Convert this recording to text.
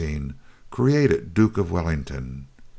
Created Duke of Wellington.